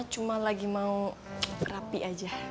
cuma lagi mau rapi aja